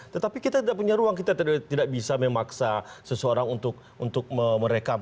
tetapi kita tidak punya ruang kita tidak bisa memaksa seseorang untuk merekam